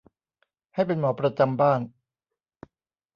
ให้เป็นหมอประจำบ้าน